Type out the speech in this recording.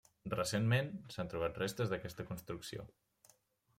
Recentment s'han trobat restes d'aquesta construcció.